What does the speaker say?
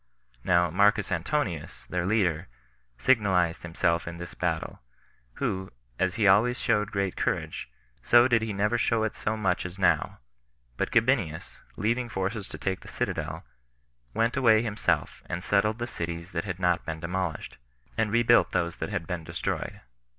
Now Marcus Antonius, their leader, signalized himself in this battle, who, as he always showed great courage, so did he never show it so much as now; but Gabinius, leaving forces to take the citadel, went away himself, and settled the cities that had not been demolished, and rebuilt those that had been destroyed.